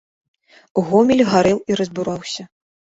Гомель гарэў і разбураўся.